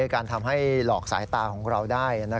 การทำให้หลอกสายตาของเราได้